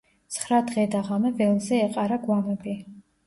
ცხრა დღე და ღამე ველზე ეყარა გვამები.